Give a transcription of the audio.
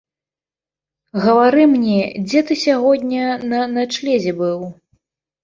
Гавары мне, дзе ты сягоння на начлезе быў?